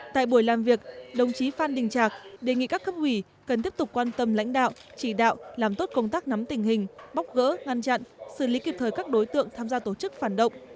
tại buổi làm việc đồng chí phan đình trạc đề nghị các cấp ủy cần tiếp tục quan tâm lãnh đạo chỉ đạo làm tốt công tác nắm tình hình bóc gỡ ngăn chặn xử lý kịp thời các đối tượng tham gia tổ chức phản động